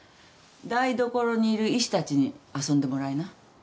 台所にいるイシたちに遊んでもらいな。